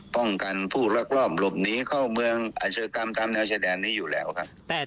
ป้องกันผู้ลักลอบหลบหนีเข้าเมืองอาชกรรมตามแนวชายแดนนี้อยู่แล้วครับ